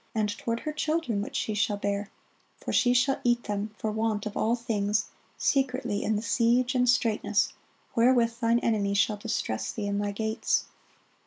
and toward her children which she shall bear: for she shall eat them for want of all things secretly in the siege and straitness, wherewith thine enemy shall distress thee in thy gates."